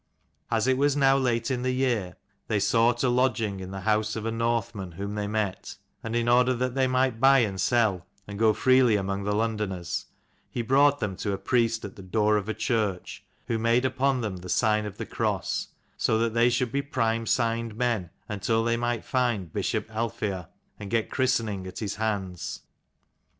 As it was now late in the year they sought a lodging in the house of a Northman whom they met : and in order that they might buy and sell, and go freely among the Londoners, he brought them to a priest at the door of a church, who made upon them the sign of the cross, so that they should be prime signed men, until they might find bishop Aelfheah and get christening at his hands.